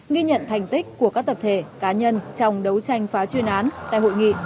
ghi nhận thành tích của các tập thể cá nhân trong đấu tranh phá chuyên án tại hội nghị